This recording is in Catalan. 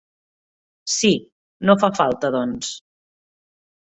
Sí, no fa falta doncs.